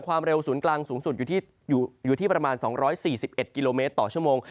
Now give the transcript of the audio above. ความเร็วศูนย์กลางสูงสุดอยู่ที่ประมาณ๒๔๑กิโลเมตรต่อชั่วโมง